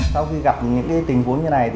sau khi gặp những tình huống như này